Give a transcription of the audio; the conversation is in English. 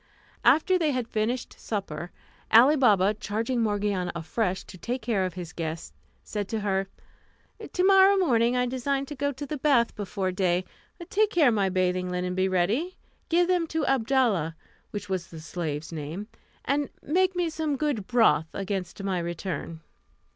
After they had finished supper, Ali Baba, charging Morgiana afresh to take care of his guest, said to her, "To morrow morning I design to go to the bath before day; take care my bathing linen be ready, give them to Abdalla (which was the slave's name), and make me some good broth against my return."